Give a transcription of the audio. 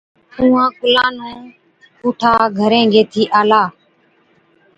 اُونهان ڪُلان نُون پُوٺا گھرين گيهٿي آلا۔